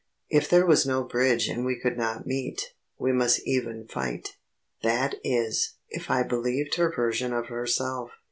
If there was no bridge and we could not meet, we must even fight; that is, if I believed her version of herself.